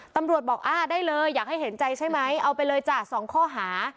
ตำรวจบอกอ่าได้เลยอยากให้เห็นใจใช่ไหมเอาไปเลยจ้ะสองข้อหา